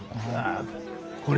これ。